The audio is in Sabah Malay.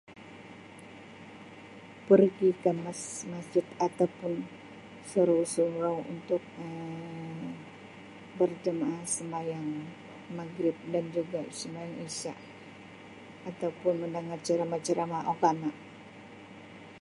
Pergi kemas masjid atau pun surau-surau untuk Um berjemaah sembahyang maghrib dan juga sembahyang isyak atau pun mendengar ceramah-ceramah agama.